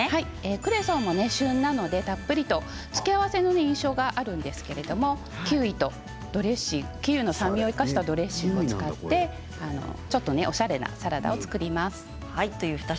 クレソンも旬なのでたっぷりと付け合わせの印象があるんですがキウイとドレッシングキウイの酸味を生かしたドレッシングでおしゃれなサラダを作ります。